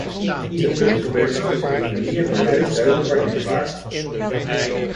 Hier is de wisselwerking tussen economie en milieu duidelijk waarneembaar.